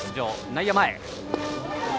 内野は前。